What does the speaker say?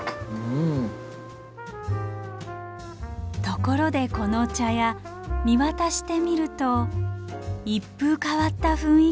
ところでこの茶屋見渡してみると一風変わった雰囲気。